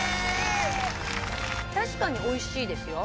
確かにおいしいですよ。